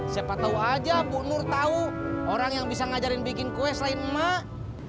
siapa tahu aja bu nur tahu orang yang bisa ngajarin bikin kue selain emak